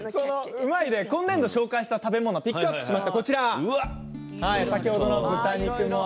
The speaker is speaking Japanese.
「うまいッ！」で今年度紹介した食べ物をピックアップしました。